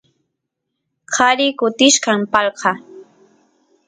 qari kutichkan palqa